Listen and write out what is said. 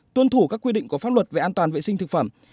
tuân thủ các quy định của pháp luật về an toàn vệ sinh thực phẩm